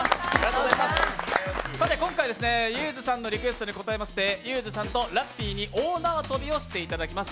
今回、ゆーづさんのリクエストに応えましてゆーづさんとラッピーに大縄跳びをしていただきます。